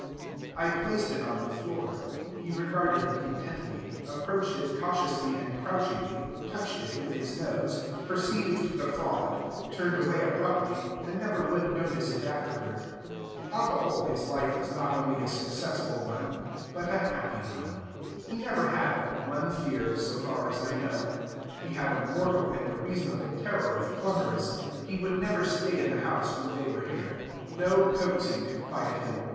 I placed it on the floor. He regarded it intently, approached it cautiously and crouchingly, touched it with his nose, perceived the fraud, turned away abruptly, and never would notice it afterward. On the whole, his life was not only a successful one, but a happy one. He never had but one fear, so far as I know: he had a mortal and a reasonable terror of plumbers. He would never stay in the house when they were here. No coaxing could quiet him.